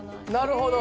なるほど。